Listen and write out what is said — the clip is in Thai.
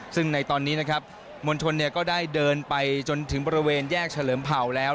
ซึ่งในตอนนี้นะครับมวลชนก็ได้เดินไปจนถึงบริเวณแยกเฉลิมเผ่าแล้ว